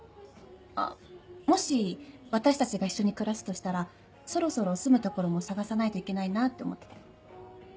あもし私たちが一緒に暮らすとしたらそろそろ住む所も探さないといけないなって思ってて。